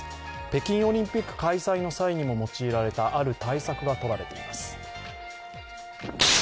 北京オリンピック開催の際にも用いられたある対策がとられています。